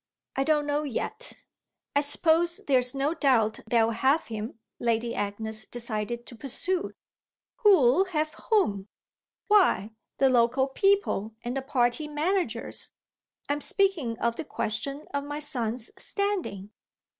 I don't know yet." "I suppose there's no doubt they'll have him," Lady Agnes decided to pursue. "Who'll have whom?" "Why, the local people and the party managers. I'm speaking of the question of my son's standing."